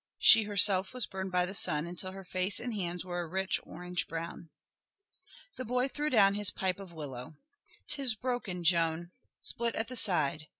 She herself was burned by the sun until her face and hands were a rich orange brown. The boy threw down his pipe of willow. "'Tis broken, Joan, split at the side.